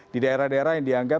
di daerah daerah yang dianggap